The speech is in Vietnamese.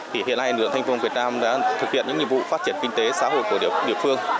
thì hiện nay lực lượng thanh phong việt nam đã thực hiện những nhiệm vụ phát triển kinh tế xã hội của địa phương